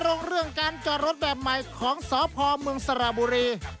เรื่องการจอดรถแบบใหม่ของสพเมืองสระบุรี